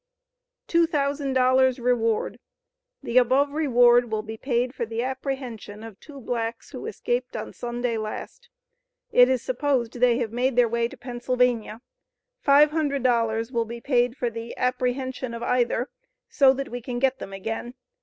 "TWO THOUSAND DOLLARS REWARD. The above Reward will be paid for the apprehension of two blacks, who escaped on Sunday last. It is supposed they have made their way to Pennsylvania. $500 will be paid for the apprehension of either, so that we can get them again.